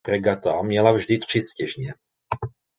Fregata měla vždy tři stěžně.